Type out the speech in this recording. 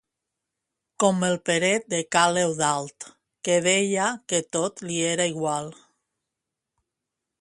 Com el Peret de ca l'Eudald, que deia que tot li era igual.